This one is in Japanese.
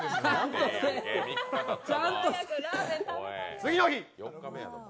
次の日。